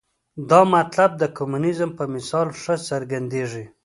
دا مطلب د کمونیزم په مثال ښه څرګندېږي.